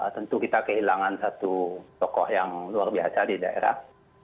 tentu kita kehilangan satu tokoh yang luar biasa di daerah